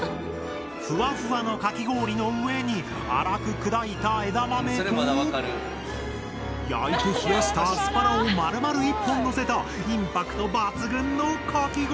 ふわふわのかき氷の上に粗く砕いた枝豆と焼いて冷やしたアスパラをまるまる一本のせたインパクト抜群のかき氷！